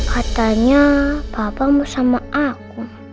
katanya bapak mau sama aku